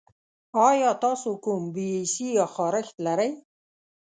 ایا تاسو کوم بې حسي یا خارښت لرئ؟